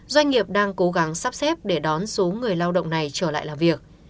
doanh nghiệp đang cố gắng sắp xếp để đón số người lao động này trở lại làm việc